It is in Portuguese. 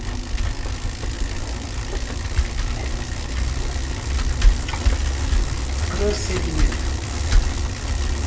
prosseguimento